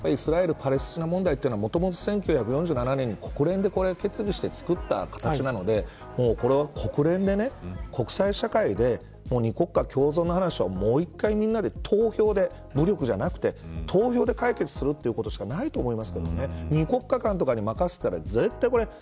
パレスチナ問題はもともと１９４７年に国連で決議して作った合意なので国連で、国際社会で２国家共存の話をもう一回みんなで武力じゃなくて、投票で解決するということしかないと思いますけどね。